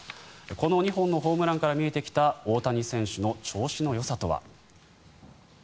この２本のホームランから見えてきた大谷選手の調子のよさとは。